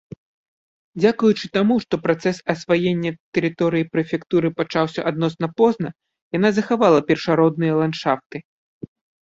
Дзякуючы таму, што працэс асваення тэрыторыі прэфектуры пачаўся адносна позна, яна захавала першародныя ландшафты.